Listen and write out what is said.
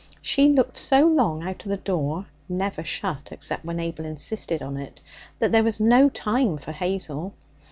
She looked so long out of the door never shut, except when Abel insisted on it that there was no time for Hazel.